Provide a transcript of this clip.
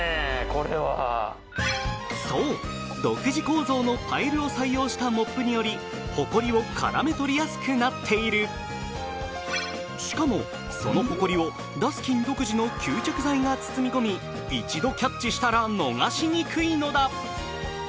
これはそう独自構造のパイルを採用したモップによりホコリをからめ取りやすくなっているしかもそのホコリをダスキン独自の吸着剤が包み込み一度キャッチしたら逃しにくいのだ